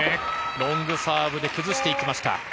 ロングサーブで崩していきました。